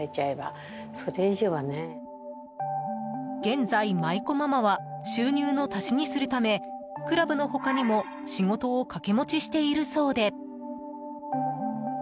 現在、舞妓ママは収入の足しにするためクラブの他にも仕事を掛け持ちしているそうで。